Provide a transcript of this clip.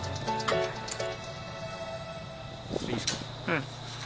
うん。